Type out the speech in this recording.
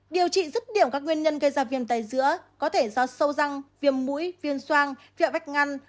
điều trị dứt điểm các nguyên nhân gây ra viêm tay giữa có thể do sâu răng viêm mũi viêm soan việu vách ngăn